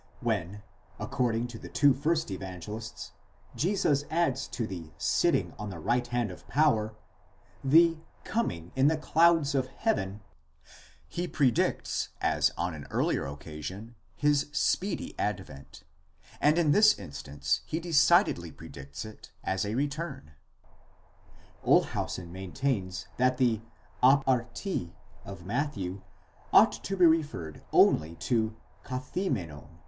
When, according to the two first Evangelists, Jesus adds to the sitting on the right hand of power, the coming in the clouds of heaven, he predicts, as on an earlier occasion, his speedy advent, and in this instance he decidedly predicts it as areturn, Olshausen maintains that the ἀπ᾽ ἄρτι of Matthew ought to be referred only to καθήμενον x.